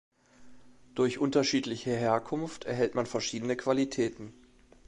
Durch unterschiedliche Herkunft erhält man verschiedenen Qualitäten.